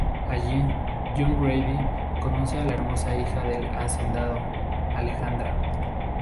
Allí, John Grady conoce a la hermosa hija del hacendado, Alejandra.